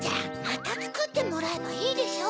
またつくってもらえばいいでしょ？